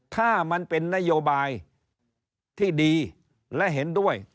ถ้ามันเป็นนโยบายที่ดีและเห็นด้วย